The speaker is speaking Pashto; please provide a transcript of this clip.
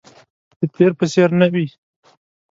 د تیر په څیر نه وي